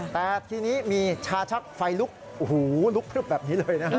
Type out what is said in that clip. แต่ทีนี้มีชาชักไฟลุกโอ้โหลุกพลึบแบบนี้เลยนะ